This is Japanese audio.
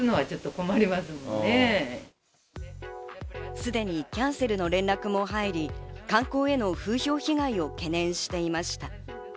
すでにキャンセルの連絡も入り、観光への風評被害を懸念していました。